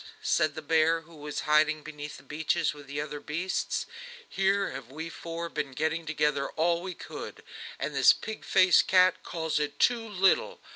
said the bear, who was hiding behind the beeches with the other beasts, "here have we four been getting together all we could, and this pig faced cat calls it too little!